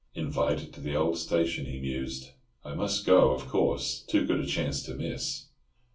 "Invited to the old station?" he mused. "I must go, of course, Too good a chance to miss."